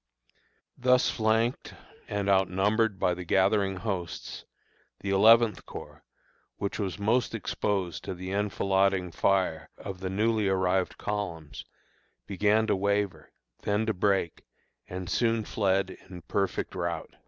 Thus flanked and outnumbered by the gathering hosts, the Eleventh Corps, which was most exposed to the enfilading fire of the newly arrived columns, began to waver, then to break, and soon fled in perfect rout.